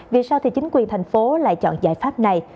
vì sao thì chính quyền thành phố lại chọn giải pháp này